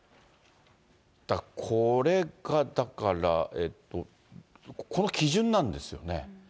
これがだから、この基準なんですよね。